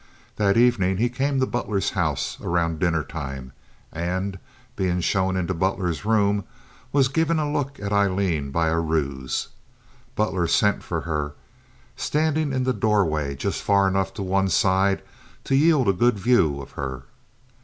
That evening he came to the Butler house around dinner time, and, being shown into Butler's room, was given a look at Aileen by a ruse. Butler sent for her, standing in the doorway just far enough to one side to yield a good view of her.